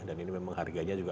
dan ini memang harganya juga